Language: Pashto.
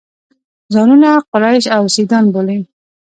ځانونه قریش او سیدان بولي.